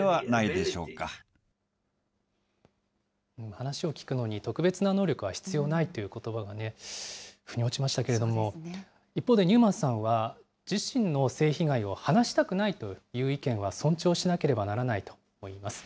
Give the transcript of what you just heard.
話を聞くのに、特別な能力は必要ないということばがふに落ちましたけれども、一方でニューマンさんは、自身の性被害を話したくないという意見は尊重しなければならないといいます。